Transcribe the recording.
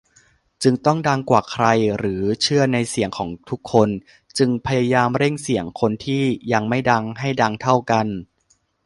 จึงต้องดังกว่าใคร หรือเชื่อในเสียงของทุกคน จึงพยายามเร่งเสียงคนที่ยังไม่ดัง ให้ดังเท่ากัน ?